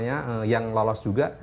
yang lolos juga